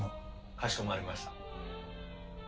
かしこまりました。